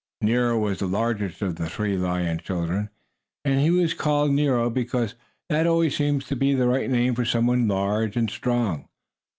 Nero was the largest of the three lion children, and he was called Nero because that always seems to be the right name for some one large and strong.